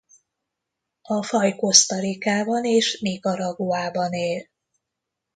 A faj Costa Ricában és Nicaraguában él.